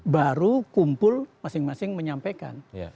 baru kumpul masing masing menyampaikan